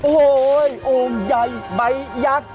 โอ้โหโอ่งใหญ่ใบยักษ์